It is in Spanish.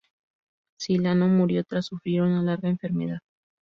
Silano murió tras sufrir una larga enfermedad.